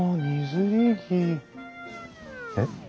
えっ？